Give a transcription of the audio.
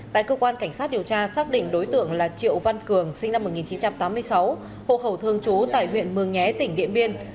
tại cơ quan cảnh sát điều tra xác định đối tượng là triệu văn cường sinh năm một nghìn chín trăm tám mươi sáu hộ khẩu thương chú tại huyện mường nhé tỉnh điện biên